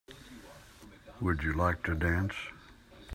Would you like to dance?